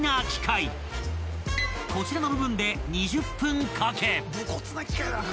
［こちらの部分で２０分かけ］